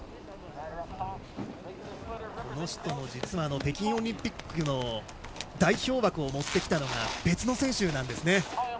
この人も、実は北京オリンピックの代表枠を持ってきたのが別の選手なんですね。